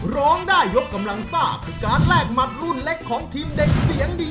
ร้องได้ยกกำลังซ่าคือการแลกหมัดรุ่นเล็กของทีมเด็กเสียงดี